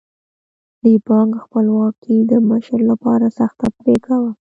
د بانک خپلواکي د مشر لپاره سخته پرېکړه وه.